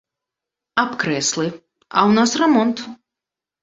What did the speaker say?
Аб крэслы, а ў нас рамонт!